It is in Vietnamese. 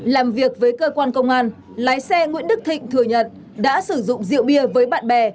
làm việc với cơ quan công an lái xe nguyễn đức thịnh thừa nhận đã sử dụng rượu bia với bạn bè